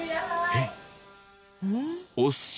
えっ？